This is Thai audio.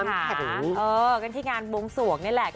การแข็งเออก็ที่งานบวงส่วงเนี่ยแหละ